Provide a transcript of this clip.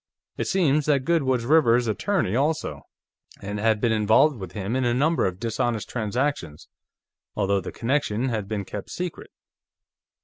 It seems that Goode was Rivers's attorney, also, and had been involved with him in a number of dishonest transactions, although the connection had been kept secret."